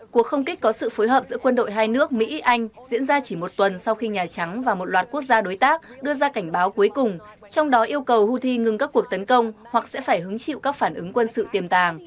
cuộc không kích có sự phối hợp giữa quân đội hai nước mỹ anh diễn ra chỉ một tuần sau khi nhà trắng và một loạt quốc gia đối tác đưa ra cảnh báo cuối cùng trong đó yêu cầu houthi ngừng các cuộc tấn công hoặc sẽ phải hứng chịu các phản ứng quân sự tiềm tàng